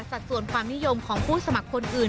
สัดส่วนความนิยมของผู้สมัครคนอื่น